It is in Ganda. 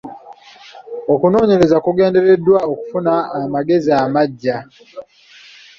Okunoonyereza kugendererwa okufuna amagezi amaggya.